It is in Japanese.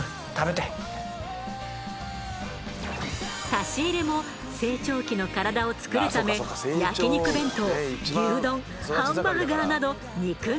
差し入れも成長期の体をつくるため焼肉弁当牛丼ハンバーガーなど肉が中心。